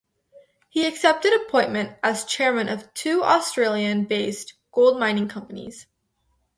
He accepted appointment as chairman of two Australian based gold-mining companies.